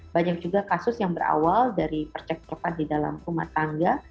banyak juga kasus yang berawal dari percek coklat di dalam rumah tangga